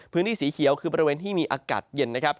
พื้นที่สีเขียวคือบริเวณที่มีอากาศเย็นนะครับ